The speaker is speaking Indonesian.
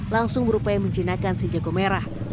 langsung berupaya menjinakkan si jago merah